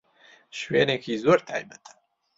شوێنێکی زۆر تایبەتە.